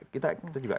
kita juga siap